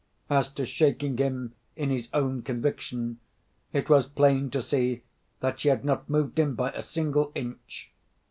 As to shaking him in his own conviction, it was plain to see that she had not moved him by a single inch.